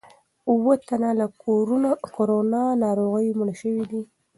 اووه تنه له کورونا ناروغۍ مړه شوي دي.